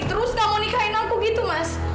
terus gak mau nikahin aku gitu mas